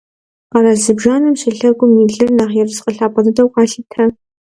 Къэрал зыбжанэм шылъэгум и лыр нэхъ ерыскъы лъапӏэ дыдэу къалъытэ.